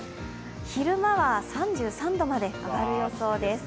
昼間は３３度まで上がる予想です。